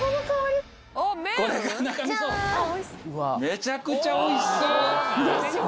めちゃくちゃおいしそう。でしょ！